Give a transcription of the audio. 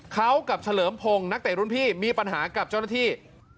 เขากับเฉลิมพงศ์นักเตะรุ่นพี่มีปัญหากับเจ้าหน้าที่